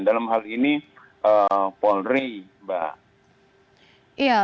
dalam hal ini polri mbak